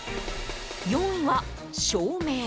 ４位は、照明。